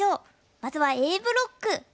まずはＡブロック。